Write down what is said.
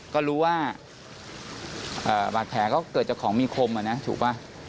ก็รู้ว่าบาดแผลก็เกิดจากของมีคมถูกป่ะ